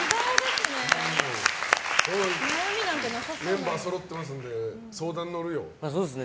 メンバーそろってますんで相談乗るよ。